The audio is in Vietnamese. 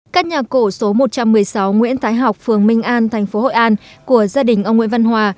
các nhà cổ số một trăm một mươi sáu nguyễn thái học phường minh an thành phố hội an của gia đình ông nguyễn văn hòa